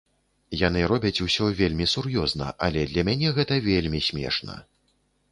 Яны робяць усё вельмі сур'ёзна, але для мяне гэта вельмі смешна.